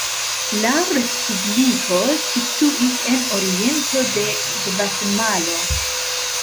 La respubliko situis en oriento de Gvatemalo.